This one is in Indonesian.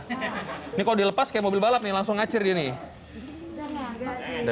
ini kalau dilepas kayak mobil balap nih langsung ngacir dia nih